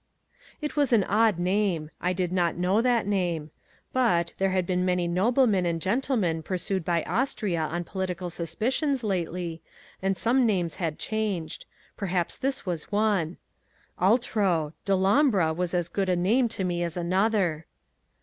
It was an odd name. I did not know that name. But, there had been many noblemen and gentlemen pursued by Austria on political suspicions, lately, and some names had changed. Perhaps this was one. Altro! Dellombra was as good a name to me as another.